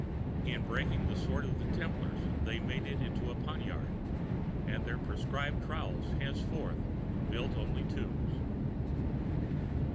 In breaking the sword of the Templars, they made of it a poniard; and their proscribed trowels thenceforward built only tombs."